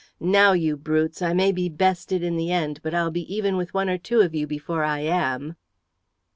"Now, you brutes! I may be bested in the end, but I'll be even with one or two of you before I am!"